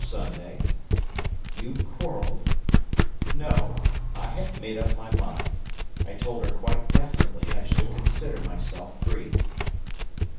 "Last Sunday." "You quarrelled?" "No! I had made up my mind. I told her quite definitely I should consider myself free."